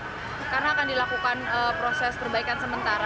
kami tutup karena akan dilakukan proses perbaikan sementara